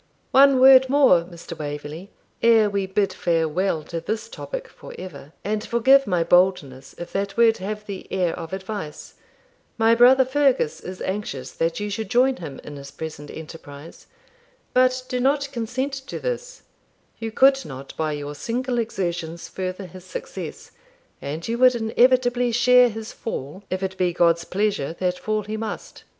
'One word more, Mr. Waverley, ere we bid farewell to this topic for ever; and forgive my boldness if that word have the air of advice. My brother Fergus is anxious that you should join him in his present enterprise. But do not consent to this; you could not, by your single exertions, further his success, and you would inevitably share his fall, if it be God's pleasure that fall he must.